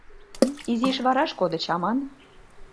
Изишак вараш кодыч аман?..